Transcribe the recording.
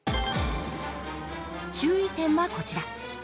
注意点はこちら。